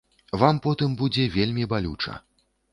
Вам потым будзе вельмі балюча.